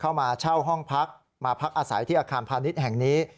มาเช่าห้องพักมาพักอาศัยที่อาคารพาณิชย์แห่งนี้